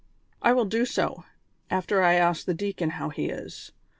" I will do so, after I ask the deacon how he is.